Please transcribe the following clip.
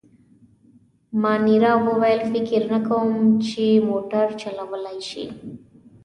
مانیرا وویل: فکر نه کوم، چي موټر چلولای شي.